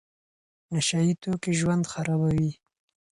نشه يي توکي ژوند خرابوي.